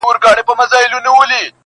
په هغه ورځ یې مرګی ورسره مل وي!.